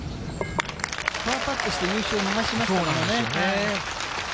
パーパットして、優勝を逃しましそうなんですよね。